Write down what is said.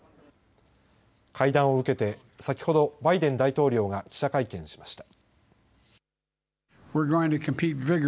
会談を受けて先ほどバイデン大統領が記者会見しました。